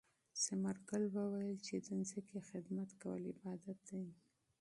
ثمر ګل وویل چې د ځمکې خدمت کول عبادت دی.